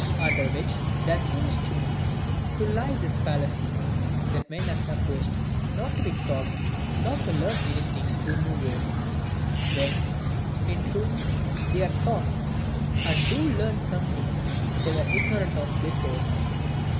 Under which there seems to me to lie this fallacy, that men are supposed not to be taught nor to learn anything de novo; when, in truth, they are taught, and do learn something they were ignorant of before.